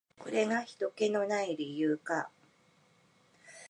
これがひとけの無い理由か。